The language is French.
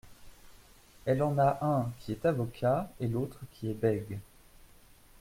… elle en a un qui est avocat et l'autre qui est bègue …